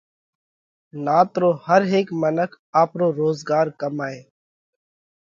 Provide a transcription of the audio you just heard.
نات رو هر هيڪ منک آپرو روزڳار ڪمائہ۔